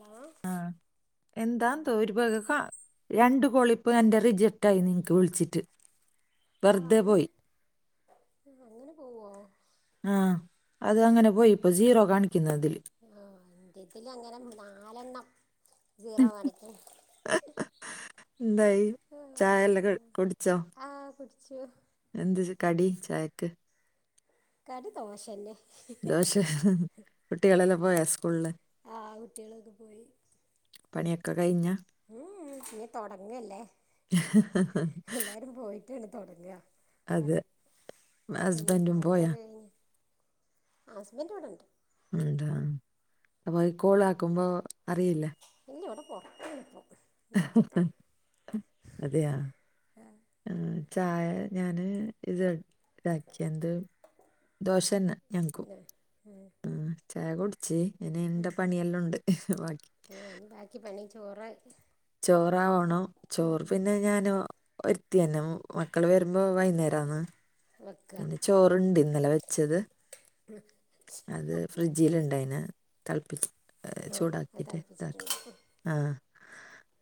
Hello ആഹ് എന്താന്തോ ഒരു വക കാ രണ്ട് കോളി പ്പ എൻ്റെ റിജക്റ്റായി നിങ്ങക്ക് വിളിച്ചിട്ട് ആഹ് വെറുതെ അങ്ങനെ പോയി ആഹ് അങ്ങനെ പോവോ ആഹ് അത് അങ്ങനെ പോയി ഇപ്പൊ സീറോ കാണിക്കുന്ന് ഇതില് ആഹ് എന്റേതില് അങ്ങനെ നാലെണ്ണം സീറോ കാണിക്കണ് എന്തായി ചായെല്ലാം കുടിച്ചോ ച്ചു എന്ത് ച് കടി ചായക്ക് കടി ദോശ തന്നെ ദോശ കുട്ടികളെല്ലാം പോയൊ സ്കൂളില് ആ കുട്ടികളൊക്കെ പോയി പണിയൊക്കെ കഴിഞ്ഞോ ഉംഉം ഇഞ്ഞി തൊടങ്ങല്ലേ എല്ലാരും പോയി ട്ടാണ് തൊടങ്ങ എ [unintelligible] അതെ റ പിന്നെ ഹസ്ബൻഡും പോയാ അവിടുത്തൊക്കെ കഴിഞ്ഞ ഹസ്ബന്റ് ഇവിടെ ഒണ്ട് ഇണ്ട് അപ്പൊ ഈ കോൾ ആക്കുമ്പോ അറിയില്ലേ ഇല്ല ഇവിടെ പൊറത്താണിപ്പോ അതെയാ ആഹ് ചായ ഞാന് ഇത് ഇതാക്കിയത് ദോശ തന്നെ ഞങ്ങക്കും ആ ആഹ് ചായ കുടിച്ചു ഇച്ചിരി ഇങ്ങനെകണ്ട പണിയെല്ലാം ഒണ്ട് ബാക്കി. ക്ക് പണി ചോറാക്കി ചോറ് ആവുവാണോ ചോറ് പിന്നെ ഞാനൊ ഒരുത്തി തന്നെ. മക്കള് വരുമ്പോ വൈന്നേരവുന്ന്. വെക്കുക പിന്നെ ചോറുണ്ട് ഇന്നലെ വെച്ചത്. അത് ഫ്രിഡ്ജിലുണ്ടായിന്. തൾപ്പിച്ച് ആ അത് ചൂടാക്കിട്ട് ഇതാക്ക. തിളപ്പിച്ചിട്ടുണ്ട് ആഹ്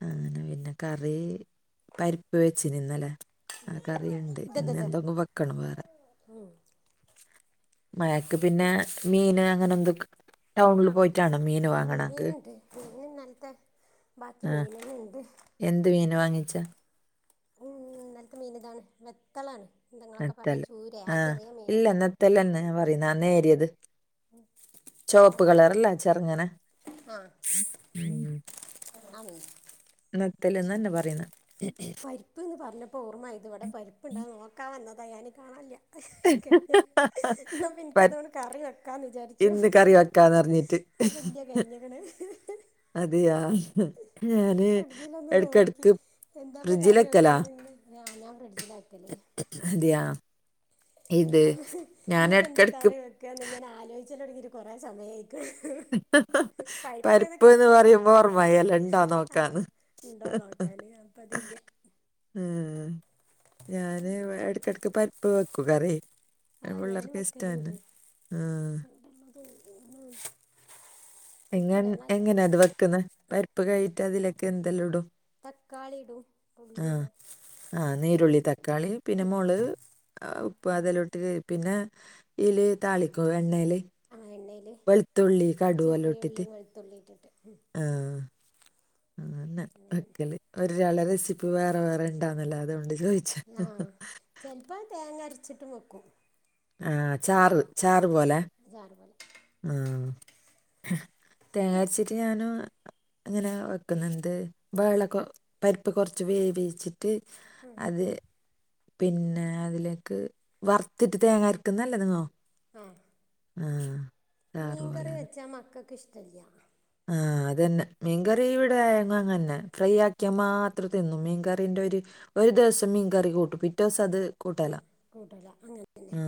അങ്ങനെ പിന്നെ കറി പരിപ്പ് വെച്ചീ നിന്നലെ. ആ കറിയ്ണ്ട്. ഇന്നെന്തെങ്കും വെക്കണം വേറെ. ഉം. മഴക്ക് പിന്നെ മീന് അങ്ങനെ എന്തൊക്ക, ആഹ് മീന്ണ്ട്. മീൻ ഇന്നലത്തെ ബാക്കി ആ മീനെ [unintelligible] ണ്ട്. എന്ത് മീനാ വാങ്ങിചാ? ഇന്നലത്തെ മീൻ ഇതാണ് വെത്തലാണ്, എന്തെങ്ങളൊക്കെ പറയാ ചൂരെ. ആ ചെറിയ മീനില്ലേ. ത്തലെന്നെ പറയുന്നെ, ആ നേരിയത്. ചോപ്പ് അതാണ് കളറല്ലേ, ചെറ്ങ്ങനെ ആഹ് ഉം. [unintelligible] നത്തല്ന്നെന്നെ പറയുന്നെ. പ്പ്ന്ന് പറഞ്ഞപ്പോ ഓർമായത്. ഇവടെ പരിപ്പ്ണ്ടാന്ന് നോക്കാൻ വന്നതാ ഞാന് കാണാല്ല. [unintelligible] ഇന്ന പറ്റ്- എനിക്കതോണ്ട് കറി വെക്കാന്ന് വിചാരിച്ചു. ഇന്ന് കറി വെക്കാന്ന് പറഞ്ഞിട്ട് അപ്പൊ ന്റെ കഴിഞ്ഞ്ക്ണ്. അതെയാ. ഞാന് ഫ്രിഡ്ജിലൊന്ന് നോക്കി. എടക്കെടക്ക് എന്താപ്പോ കറി ഫ്രിഡ്ജിലെക്കലാ വെക്കാന്നിങ്ങനെ. ഞാ ഞാൻ ഫ്രിഡ്ജില വെക്കല്. അതെയാ. ഇത് ഞാൻ ഇന്നിപ്പോ എന്താ എടക്കെടക്ക് കറി വെക്കാന്ന് ഇങ്ങനെ ആലോയിച്ചലൊടങ്കിട്ട് കൊറേ സമയായി. പരിപ്പ്ന്ന് കേട്ടപ്പോ. പറയുമ്പോ ഓർമ്മയാല്ല ഇണ്ടോ ആഹ് നോക്കാന്ന് ഉണ്ടോ നോക്കാന്, അപ്പോ അതില്ല. ഉം ഞാന് ഇവ എടക്കെടക്ക് പരിപ്പ് വെക്കും കറി. ആഹ് ഞാനും പിള്ളേർക്ക് വെക്കല്ണ്ട്. ഇഷ്ടാണ് ആഹ് [unintelligible] നിങ്ങ എങ്ങനാ അത് വെക്കുന്ന്. പരിപ്പ് കഴിട്ട് അതിലൊക്കെ എന്തെല്ലാം ഇടും. തക്കാളി ഇടും ഉള്ളി ഇടും. ആഹ് നീരുള്ളി, തക്കാളി, പിന്നെ മുള്, ഉപ്പ് അതെലോട്ട്, പിന്നെ ഉള്ളി താളിക്കോ എണ്ണേല്? ആഹ് എണ്ണേല്, ചെറിയ ഉള്ളിയും വെളുത്തുള്ളിട്ടിട്ട് ഉം. ആഹ് അങ്ങനെ അങ്ങനെന്നെ വെക്കല്. ഒരാളെടെ റെസിപ്പി വേറെ വേറെ ഉണ്ടാവന്ന്ല്ലോ. അതോണ്ട് ചോയി ആഹ് ചെലപ്പോ തേങ്ങ അരച്ചിട്ടും വെക്കും. ആഹ് ചാറ്, ചാറ് പോലെ. ചാറ് പോലെ. ആഹ് തേങ്ങരച്ചിട്ട് ഞാനും, അങ്ങനെ വെക്കുന്നുണ്ട്. വേളകൊ പരിപ്പ് കൊറച്ച് വേവിച്ചി ട്ട് അത്, പിന്നെ അതിലേക്ക് വർത്തിട്ട് തേങ്ങരക്കുന്ന് നല്ലത് ങ്ങോ. ആഹ്. ആഹ്. മീൻകറി വെച്ചാ മക്കക്ക് ഇഷ്ടല്യ. ആഹ് അതന്നെ. മീൻകറി ഇവിടെ അങ്ങനെന്നെ, ഫ്രൈ ആക്കിയാ മാത്രം തിന്നും, മീൻകറീന്റെ ഒര് ഒരു ദിവസം മീൻ കറി കൂട്ടും. പിറ്റേസം അത്, കൂട്ടല ആ കൂട്ടല അങ്ങനെന്നെ. ആ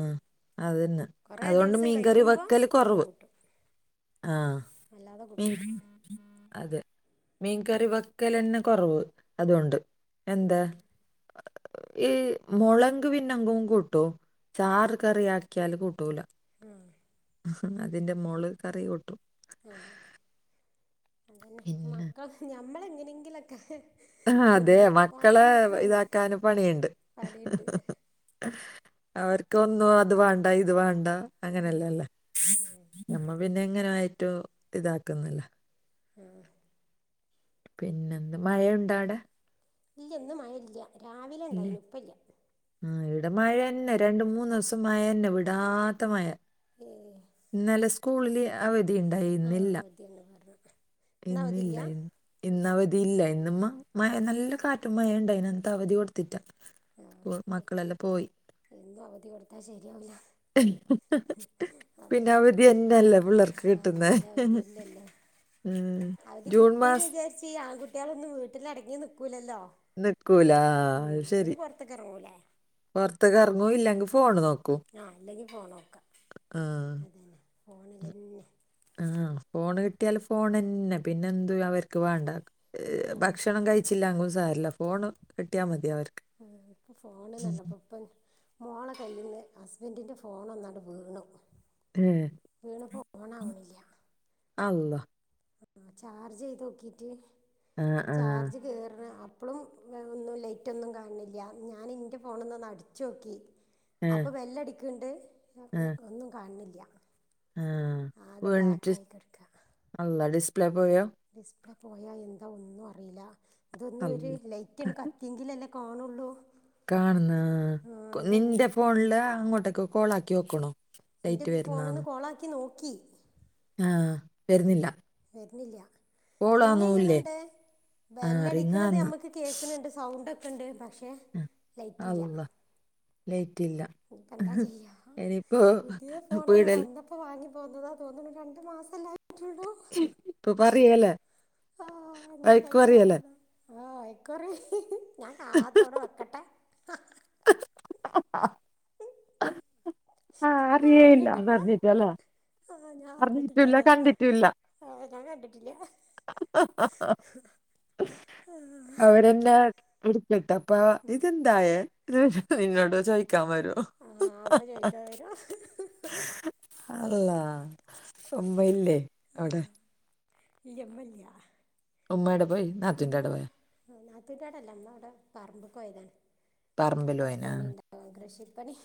അതന്നെ കൊറെേ അതുകൊണ്ട് ദിവസം മീൻകറി കയിയുമ്പോ അന്ന് കൂട്ടും. ആഹ്. അല്ലാതെ കൂട്ടുല. അതെ മീൻകറി വെക്കൽന്നെ കുറവ് അതുകൊണ്ട്. എന്താ [unintelligible] ഈ മുളങ്ക് പിന്നങ്കും കൂട്ടൂ ചാറ് കറി ആക്കിയാല് കൂട്ടൂല. ഉം അതിന്റെ മോള് കറി കൊട്ടും. ആഹ് അങ്ങന്നെ പിന്നെ മക്കൾ ഞമ്മള എങ്ങനെങ്കിലൊക്കെ. ആഹ് അതെ മക്കളെ ഇതാക്കാന് പണിയുണ്ട്. പണിയുണ്ട് ഇല്ല അവർക്ക്ന്നും അത് വേണ്ട ഇത് വേണ്ട. അങ്ങനെയല്ലല്ലേ നമ്മ പിന്നെ എങ്ങനൊയിട്ടോ ഇതാക്കുന്നില്ല. ആഹ് പിന്നെ എന്ത് മഴുണ്ടാ അവിട? ഇല്ലൊന്നും മയല്ല രാവിലെ ഉണ്ടായിന്പ്പല്ല. ആഹ് ഇവിടെ മഴ തന്നെ രണ്ട മൂന്ന് ദിവസം മഴ തന്നെ വിടാത്ത മഴ. ഏഹ് ഇന്നലെ സ്കൂളില് അവധി ഉണ്ടായി ആ ഇന്നില്ല അവധിയാണ് പറഞ്ഞു ഇന്ന് അവധിയില്ല ഇല്ല. ഇന്ന് അവധി ഇല്ല ഇന്ന മഴ നല്ല കാറ്റും മഴുണ്ടായിതിനനത്തെ അവധി കൊടുത്തിട്ടാ. ആ സ് മക്കളെല്ലാം പോയി. എന്നും അവധി കൊടുത്താൽ ശരിയാവില്ല [unintelligible] പിന്നെ അവധി എന്നന്നല്ല പിള്ളർ ആഹ് അത അവധല്ലല്ലേ ഉം അവധി ജൂൺ കുട്ടീന്ന് മാസം വിചാരിച്ച കുട്ടികളൊന്നും വീട്ടിലടങ്ങി നിൽക്കൂല്ലല്ലോ നിക്കൂല ഉം ഒരുര് പുറത്തൊക്കെറങ്ങൂലേ. പുറത്തെക്കിഇറങ്ങും ഇല്ലെങ്കിൽ ഫോണ് നോക്കും. ആഹ് അല്ലെങ്കിൽ ഫോൺ നോക്കാം ആ അത തന്നെ ഫോണിൽന്നെ. ആഹ് ഫോണ് കിട്ടിയാൽ ഫോൺന്നെ പിന്നെ എന്ത് അവർക്ക് വേണ്ട. [unintelligible] ഭക്ഷണം കഴിച്ചില്ലാങ്കിലും സാരില്ല ഫോണ് കിട്ടിയാൽ മതി അവർക്ക്. ഇപ്പൊ ഫോൺപ്പോ മോളെ കയ്യിൽ നിന്ന് ഹസ്ബൻഡിൻ്റെ ഫോൺ ഒന്നട് വീണു. ഏ, വീണപോണാവണില്ല. അള്ള ആഹ് ചാർജ് ചെയ്ത് നോക്കിട്ട് ആ ആ ചാർജ് കയറണ അപ്പോളും ഒന്നും ലേറ്റൊന്നും കാണണില്ല ഞാൻ എൻ്റെ ഫോണൊന്ന്ന്ന് അടിച്ചു നോക്കി. [inaudible] അപ്പൊ ബെല്ലടിക്കണ്ട് ഒന്നും കാണണില്ല. ആഹ് ആകെ ബ്ലാക്ക് ആയിക്കെടുക്ക. അള്ള ഡിസ്പ്ലേ പോയ. ഡിസ്പ്ലേ പോയാ എന്താ ഒന്നും അറിയില്ല ഇതൊന്നും ഒരു അല്ല ലൈറ്റ്ണ് കത്തി. എങ്കിലല്ലേ കണുള്ളൂ. കാണുന്ന നിന്റെ ഫോണില് അങ്ങോട്ടേക്കെ കോള ആക്കി നോക്കണോ. എന്റെ ഫോണനിന്ന് കോളാക്കി നോക്കി. ആഹ് വരുന്നില്ല. വരുന്നില്ല റിങ്ങ കോളാന്നൂല്ലേ ചെയ്യണണ്ട് ആ റിങ് ബെല്ലടിക്കണത് ആന്ന് നമ്മുക്ക് കേക്കണണ്ട്. സൗണ്ട് ഒക്കെ ഉണ്ട് പക്ഷെ അള്ളാ ലേറ്റ്ല്ല ഇപ്പ എന്താ ചെയ്യാ പുതിയ ഫോണാണ് വീടൽ വന്ന ഇപ്പോൾ വാങ്ങിപ്പോകുന്നതാ തോന്നുന്നു രണ്ട് മാസല്ലായിട്ടുള്ളൂ. [unintelligible] ഇപ്പൊ പറയല്ലേ ആ്ഹ് വഴക്ക് ഇനിപ്പയിന് പറയല്ലേ പറയണ ആ്ഹ് ആയിക്കോറി ഞാൻ കാണാത്ത അവിടെ വെക്കട്ടെ. [unintelligible] കറിയല്ല അതാർ ചെയദ്യല്ലാ. [unintelligible] ആഹ് ഞാൻ അറിഞ്ഞിട്ടില്ല ആ ഞാൻ കണ്ടിട്ടില്ല ഹ ഹ ഹ അവിടെന്താ എടുക്കട്ട് അപ്പൊ ഇതെന്തായ എന്നോട് ചോദിക്കാൻ വരൂ ആ അപ്പം ചോദിക്കാൻ വരും അള്ളാ ഉമ്മ ഇല്ലേ അവിടെ ഇല്ല മ്മല്ലിയ ഉമ്മ എവിടെ പോയി നാത്തൂന്റെടെ പോയാ ഉം നാത്തൂന്റെടല്ല മ്മ അവിടെ പറമ്പിൽക്ക് പോയതാണ് പറമ്പിൽ മ്മക്ക്‌ അവിടെ പണിണ്ട് കൃഷിപണി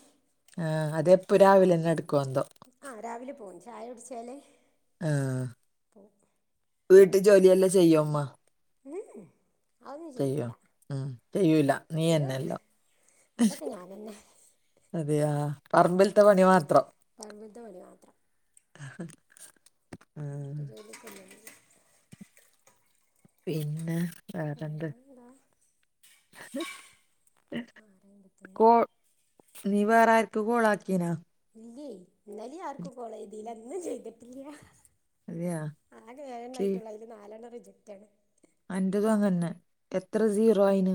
ആഹ അതെ എപ്പൊ രാവിലെ തന്നെ എടുക്കുവ എന്തോ ആഹ് രാവിലെ പോകും ചായ കുടിച്ചാലേ പോവും വീട്ട് ജോലിയെല്ലാം ചെയ്യോ മ്മ ഉം അതോന്നും ചെയ്ല്ല ഉം ചെയ്യൂല നീ ഉം തന്നെയല്ലോ അതൊക്കെ ഞാനന്നെ അതെയാ പറമ്പിലത്തെ പണി മാത്രം [inaudible] പറമ്പത്തെ പണി മാത്രം വീട്ട് ജോലി കല്ലേ പിന്നെ വേറെന്തക്കെ എന്താ ആറേ അയിമ്പത്തൊന്ന്. നീ വേറെ ആർക്ക് കോള ആക്കീനാ ഇല്ലേ ഇന്നലെ ആർക്കും കോളേ ചെയ്തില്ല ന്നും ചെയ്തിട്ടില്ല അതെയാ ആകെ ഏഴണ്ണം ആയിട്ടുള്ളു അതിൽ നാലെണ്ണം റിജക്ട് ആണ് അന്റതും അങ്ങന്നെ എത്ര സീറോ ആയിന്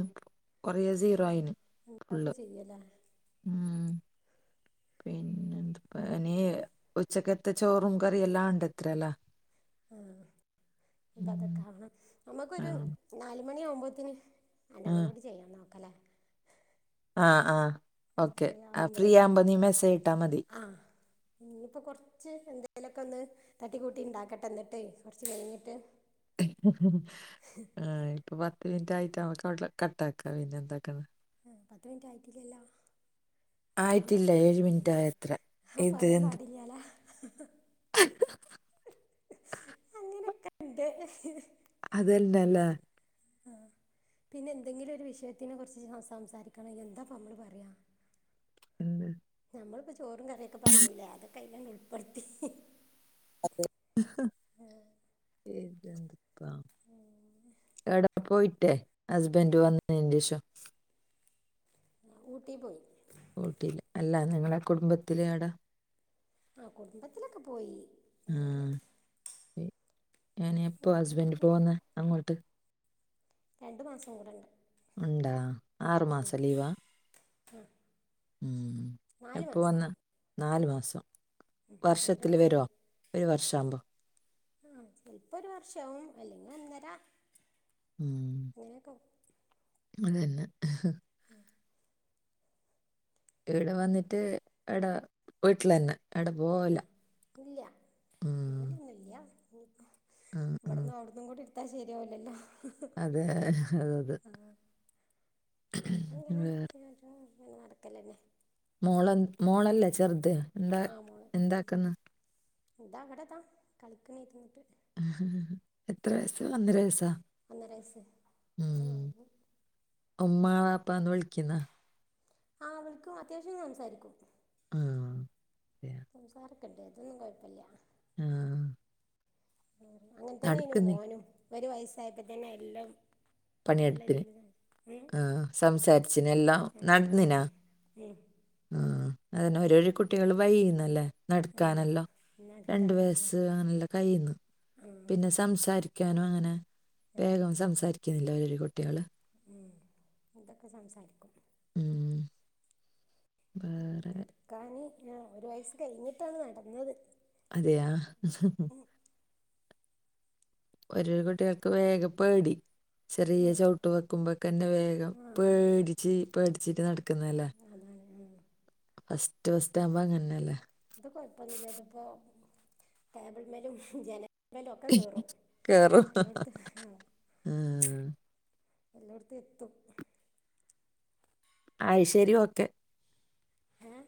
കൊറേ സീറോ ആയിന് എന്താപ്പ ഫുള്ള് ചെയ്യല്ലേ ഉം പിന്നെ എന്താ ഇനി ഉച്ചക്കത്ത ചോറും കറിയ എല്ലാം ഉണ്ടത്രല്ല ആഹ അപ്പ അതൊക്കെ ഉം ആവണം ആ നമ്മുക്കൊരു നാല് മണി ആകുമ്പോത്തിന്- ആ രണ്ടണ്ണം കൂടി ചെയ്യാൻ നോക്കല്ലേ ആ ആ ഓക്കെ ഫ്രീ ആ ഫ്രീ ആവുമ്പോളേ ആകുമ്പോൾ നീ മെസ്സേജ് ഇട്ടാൽ മതി ഇനിയിപ്പോ കൊറച്ച് എന്തേലൊക്കെ ഒന്ന് തട്ടി കൂട്ടി ഉണ്ടാക്കട്ടെ എന്നിട്ടേ കൊറച്ച് കഴിഞ്ഞിട്ട് ആ ഇപ്പൊ പത്ത് മിനിറ്റ് ആയിട്ട് അവക്ക്ടെ കട്ട ആാക്ക പിന്നെ എന്താക്കാണ് ആ പത്ത് മിനിറ്റ് ആയിട്ടില്ലല്ലോ പറയാൻ ആയിട്ടില്ല പാടില്ലേ ഏഴ് മിനിറ്റ് തോന്നുന്നു ആയത്ര ആ പറയാൻ പാടില്ലാലാ ഹ് ഹ അങ്ങനൊക്കെ ഉണ്ട് അതല്ലലെ ആ പിന്നെ എന്തെങ്കിലും ഒരു വിഷയത്തിനെ കുറിച്ച് സംസാരിക്കണം എന്താ പ്പ മ്മള് പറയാ എന്ത് നമ്മളിപ്പോ ചോറും കറിയൊക്കെ പറഞ്ഞില്ലേ അതൊക്കെ അയിൽ ഉൾപ്പെടുത്തി അതെ എട പോയിട്ടേ ഹസ്ബൻഡ് വന്നിന്റെ ശേഷം ഊട്ടി പോയി ഊട്ടിൽ അല്ല നിങ്ങളെ കുടുംബത്തിലെ അടാ ആ കുടുംബത്തിലൊക്കെ പോയി അങ്ങനെ ഇനി എപ്പോ ഹസ്ബൻഡറ് പോകു ന്ന അങ്ങോട്ട് രണ്ടു മാസം കൂടെ ണ്ട് എന്താ ആറ് മാസം ലീവാ ഉ നാല് എപ്പോ മാസം വന്ന് നാലു മാസം ഉം രണ്ട് വർഷത്തില് മാസമായി വരോ ഒരു വർഷവുമ്പോ ആ ചെൽപ്പോരു വർഷവും അല്ലെങ്കിൽ ഒന്നര ഉം ഇങ്ങനേക്കാവും. അതല്ല അഹ ഉം. ഇവിടെ വന്നിട്ട് എട വീട്ട്ലെന്ന. ആഹ് ഇല്ല ഉം ജോല്യൊന്നുല്ല്യ ഉം ഉം ഇവട്ന്നു അവ്ട്ന്നും കൂടി ഇട്ത്താ ശര്യാവുലല്ലോ. അതെ അഹ് അതതെ പ്പങ്ങനെ വേറെ ഫിനാൻശാ ങ്ങ നടക്കലെന്നെ. മോള മോളല്ലെ ചെർത് ന്താ എന്താക്ക്ന്ന്. താവിടെതാ കളിക്കണ ഇര്ന്ന്ട്ട്. ആഹ് എത്ര വയസ്സ ഒന്നര വയസോ. ഒന്നരൈസ് ഒന്നര കയിഞ്ഞ്. ഉമ്മാ വാപ്പാന്ന് വിൾക്ക്യുന്ന. ആഹ് വിൾക്കു അത്യാവശ്യം സംസാരിക്കും. ആഹ്. സംസാരൊക്കണ്ണ്ട് അതൊന്നും കൊയപ്പല്ല. ആഹ്. ഉം അങ്ങൻതന്നനു മോനും ഒരു വയസ്സായപ്പ തന്നെ എല്ലം. പണിയെടുപ്പന് ആഹ് സംസാരിച്ചന് എല്ലാ നട്ന്നിനാ. സംസാരിച്ചിരുന്നു ഉം ആഹ് അതന്നെ പരിപടി കുട്ടികള് വൈന്നല്ലേ. ആഹ് നട്ക്കാനല്ലോ രണ്ട് നടക്കാൻ വയസ് അനല്ലോ കൈയ്ന്ന് പിന്നെ സംസാരി ക്ക്യാനു അങ്ങനെ വേഗം സംസാരിക്കുന്നില്ല അവരു കുട്ട്യാള്. ഉം ഇതൊക്കെ സംസാരിക്കും. ഉം വേറെ. ക്കാനി ഞാ ഒരു വയസ്സ് കയ്ഞ്ഞിട്ടാണ് നടന്നത്. അതെയാ. ഓരോ കുട്ട്യൾക്ക് വേഗം പേടി. ചെറിയ ചവിട്ട് വെക്കുമ്പോക്കെന്നെ വേഗം ആഹ് പേടിച്ച് പേടിച്ചിട്ട് നട്ക്കുന്നല്ലേ. അതാണ് ഉം. അസ്റ്റ് ഫസ്റ്റവുമ്പോ അങ്ങൻന്നല്ലേ. ത് കൊഴപ്പൊന്നില്ല ത്പ്പോ ടേബിൾമലും ജന മലു ഒക്ക കേറും എല്ലോട്ത്തു. ആഹ്. എല്ലോട്ത്തു എത്തും. അയ് ശരി ഓക്കെ. ഏഹ്.